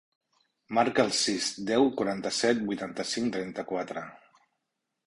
Marca el sis, deu, quaranta-set, vuitanta-cinc, trenta-quatre.